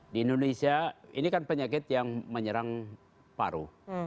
di indonesia ini kan penyakit yang menyerang paru